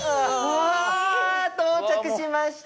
あぁ到着しました。